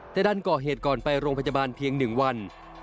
แต่ดันก่อเหตุก่อนไปโรงพยาบาลเพียง๑วัน